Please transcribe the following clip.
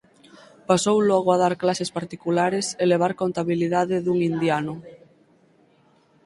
Pasou logo a dar clases particulares e levar contabilidade dun indiano.